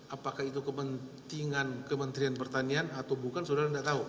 apakah itu kepentingan kementerian pertanian atau bukan saudara tidak tahu